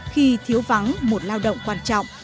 khi thiếu vắng một lao động quan trọng